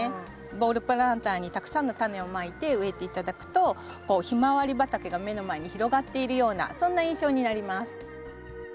ボールプランターにたくさんのタネをまいて植えて頂くとヒマワリ畑が目の前に広がっているようなそんな印象になります。